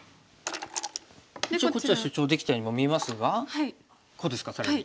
一応こっちは主張できたようにも見えますがこうですか更に。